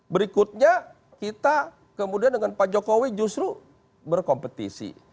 berikutnya kita kemudian dengan pak jokowi justru berkompetisi